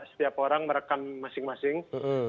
setiap orang merekam masing masing